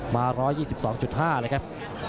มา๑๒๒๕เลยครับ